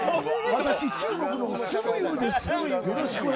私の中国のスグユウです。